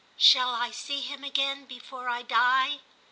'Shall I see him again before I die?